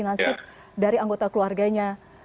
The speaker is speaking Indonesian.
nasib dari anggota keluarganya